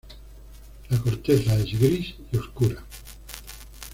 La corteza es gris y oscura.